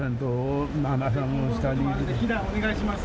避難お願いします。